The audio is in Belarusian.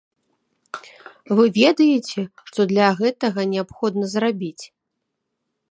Вы ведаеце, што для гэтага неабходна зрабіць?